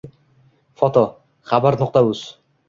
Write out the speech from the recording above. Foto: «Xabar.uz»